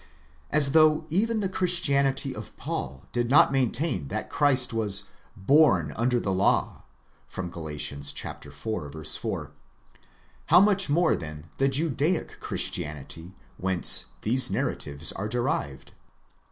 8 As though even the Christianity of Paul did not maintain that Christ was born under the law γενόμενος ὑπὸ νόμον (Gal. iv. 4); how much more then the Judaic Christianity whence these narratives are derived!